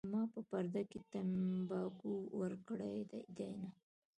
ما په پرده کې تمباکو ورکړي دینه